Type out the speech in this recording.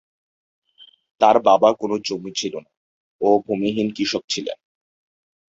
তার বাবার কোন জমি ছিল না ও ভূমিহীন কৃষক ছিলেন।